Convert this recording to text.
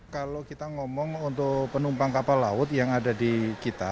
kalau kita ngomong untuk penumpang kapal laut yang ada di kita